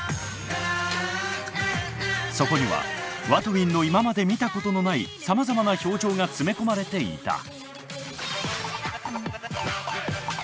そこにはＷＡＴＷＩＮＧの今まで見たことのないさまざまな表情が詰め込まれていた。